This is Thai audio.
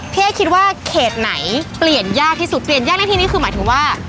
เอ๊คิดว่าเขตไหนเปลี่ยนยากที่สุดเปลี่ยนยากในที่นี้คือหมายถึงว่า